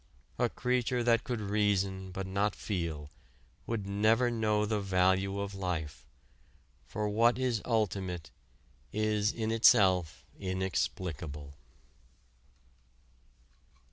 A creature that could reason but not feel would never know the value of life, for what is ultimate is in itself inexplicable.